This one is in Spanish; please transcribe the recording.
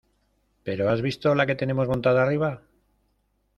¿ pero has visto la que tenemos montada arriba?